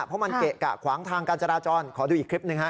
เพราะมันเกะกะขวางทางการจราจรขอดูอีกคลิปหนึ่งฮะ